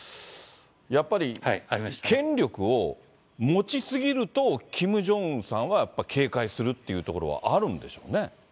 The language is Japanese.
やっぱり権力を持ち過ぎると、キム・ジョンウンさんはやっぱり警戒するというところはあるんでしょうね。